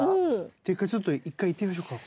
っていうかちょっと一回いってみましょうか。